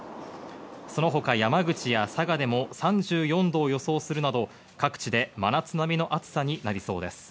その他、山口や佐賀でも３４度を予想するなど、各地で真夏並みの暑さになりそうです。